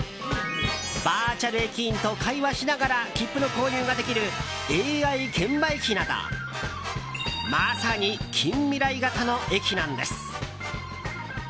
バーチャル駅員と会話しながら切符の購入ができるＡＩ券売機などまさに近未来型の駅なんです。